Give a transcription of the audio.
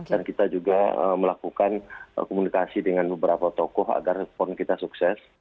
dan kita juga melakukan komunikasi dengan beberapa tokoh agar pon kita sukses